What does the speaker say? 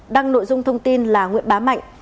đăng nội dung thông tin là nguyễn bá mạnh